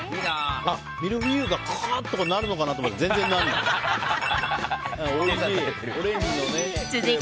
ミルフィーユがクーッとなるのかなと思ったら全然ならない。